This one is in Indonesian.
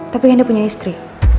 tapi kan dia punya istri